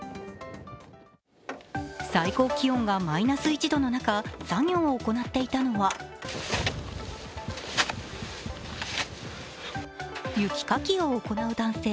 最高気温がマイナス１度の中、作業を行っていたのは雪かきを行う男性。